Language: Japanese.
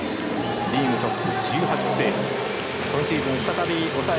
リーグトップ１８セーブ。